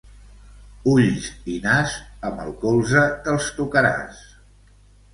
Ulls i nas, amb el colze te'ls tocaràs.